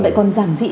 vậy còn giản dị